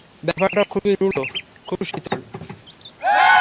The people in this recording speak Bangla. ব্যাপারটা খুবই রূঢ়, খুবই শীতল।